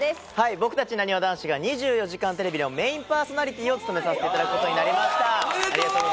僕たち、なにわ男子が『２４時間テレビ』のメインパーソナリティを務めさせていただくことになりました。